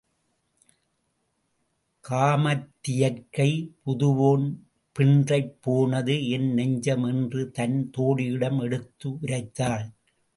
காமத்தியற்கை புதுவோன் பின்றைப் போனது என் நெஞ்சம் என்று தன் தோழியிடம் எடுத்து உரைத்தாள்.